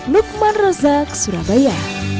lukman roza ke surabaya